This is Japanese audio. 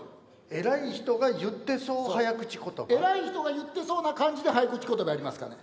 偉い人が言ってそう早口言葉？偉い人が言ってそうな感じで早口言葉やりますからね。